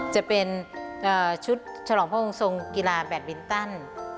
จะเป็นชุดฉลองพระองค์ทรงกีฬาแบตบินตัน